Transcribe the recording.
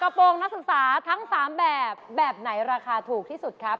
โปรงนักศึกษาทั้ง๓แบบแบบไหนราคาถูกที่สุดครับ